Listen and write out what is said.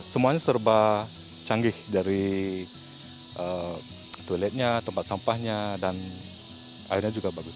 semuanya serba canggih dari toiletnya tempat sampahnya dan airnya juga bagus